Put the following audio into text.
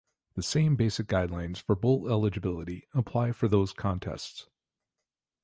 The same basic guidelines for bowl eligibility apply for those contests.